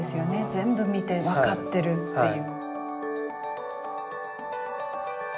全部見て分かってるっていう。